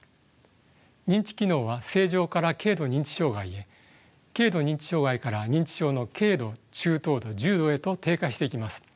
認知機能は正常から軽度認知障害へ軽度認知障害から認知症の軽度中等度重度へと低下していきます。